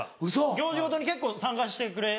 行事ごとに結構参加して。